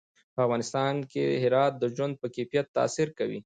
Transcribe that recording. په افغانستان کې هرات د ژوند په کیفیت تاثیر کوي.